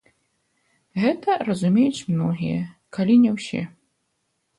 Гэта разумеюць многія, калі не ўсе.